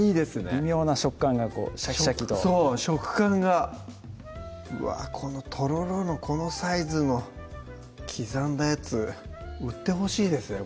微妙な食感がシャキシャキとそう食感がうわっこのとろろのこのサイズの刻んだやつ売ってほしいですね